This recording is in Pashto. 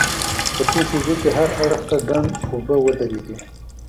په څو شېبو کې هر اړخ ته ډنډ اوبه ودرېدې.